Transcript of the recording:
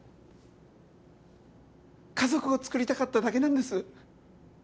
家族をつくりたかっただけなんです。